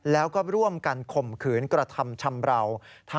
แล้วก็ร่วมกันข่มขืนกระทำชำราว